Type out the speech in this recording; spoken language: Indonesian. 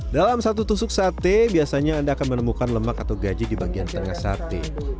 dalam satu tusuk sate biasanya anda akan menemukan lemak atau gaji di bagian tengah sate